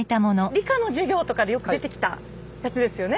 理科の授業とかでよく出てきたやつですよね？